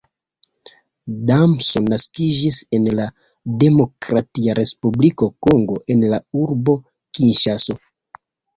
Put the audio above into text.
Damso naskiĝis en la Demokratia Respubliko Kongo en la urbo Kinŝaso.